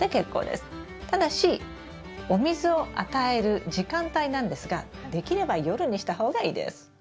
ただしお水を与える時間帯なんですができれば夜にした方がいいです。